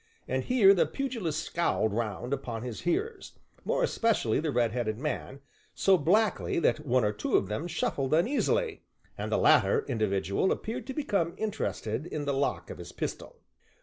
And here the pugilist scowled round upon his hearers (more especially the red headed man) so blackly that one or two of them shuffled uneasily, and the latter individual appeared to become interested in the lock of his pistol.